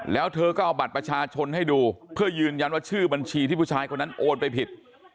แล้วเธอก็เอาบัตรประชาชนให้ดูเพื่อยืนยันว่าชื่อบัญชีที่ผู้ชายคนนั้นโอนไปผิด